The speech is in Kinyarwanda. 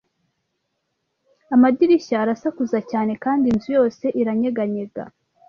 amadirishya arasakuza cyane kandi inzu yose iranyeganyega.